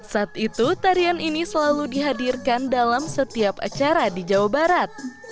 saat itu tarian ini selalu dihadirkan dalam setiap acara di jawa barat